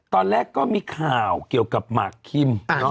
ตอนแรกก็มีข่าวเกี่ยวกับหมากคิม